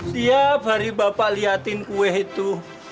tiap hari bapak liatin kue itu